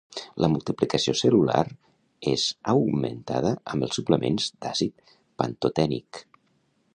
La multiplicació cel·lular es augmentada amb els suplements d'àcid pantotènic